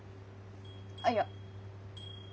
ああいや。